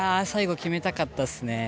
最後決めたかったっすね。